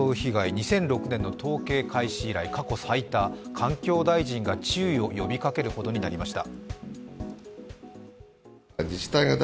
２００６年の統計開始以来過去最多、環境大臣が注意を呼びかけることになりました。